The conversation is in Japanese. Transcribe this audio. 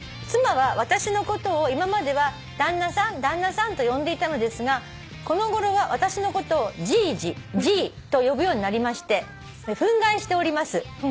「妻は私のことを今までは旦那さん旦那さんと呼んでいたのですがこのごろは私のことをじいじじいと呼ぶようになりまして憤慨しております」